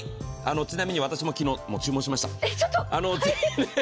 ちなみに私も昨日、注文しました。